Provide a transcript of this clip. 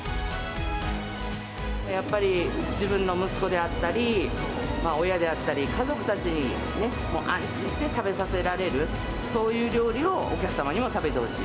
やっぱり自分の息子であったり、親であったり、家族たちにね、安心して食べさせられる、そういう料理をお客様にも食べてほしい。